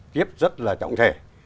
tiếp rất là trọng thể